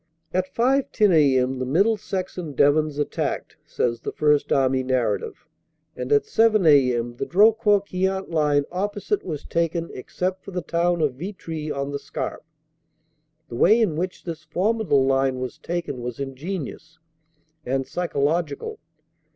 "At 5.10 a.m. the Mid dlesex and Devons attacked," says the First Army narrative, "and at 7 a.m. the Drocourt Queant line opposite was taken except for the town of Vitry on the Scarpe. The way in which this formidable line was taken was ingenious and psychological.